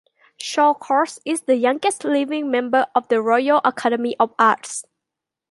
Shawcross is the youngest living member of the Royal Academy of Arts.